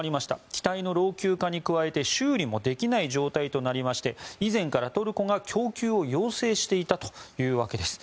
機体の老朽化に加えて修理もできない状態となりまして以前からトルコが供給を要請していたというわけです。